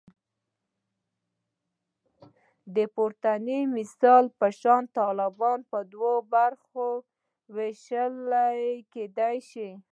د پورتني مثال په شان طالبان په دوو برخو ویشل کېدای شي